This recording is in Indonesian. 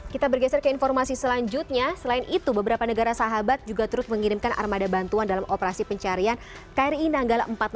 kita bergeser ke informasi selanjutnya selain itu beberapa negara sahabat juga turut mengirimkan armada bantuan dalam operasi pencarian kri nanggala empat ratus dua